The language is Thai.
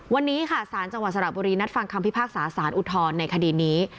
วันนี้ค่ะสารจังหวัดสระบุรีนัดฟังคำพิพากษาสารอุทธรณ์ในคดีนี้